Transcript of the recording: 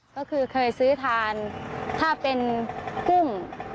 ก็คือเคยซื้อทานถ้าเป็นกุ้ง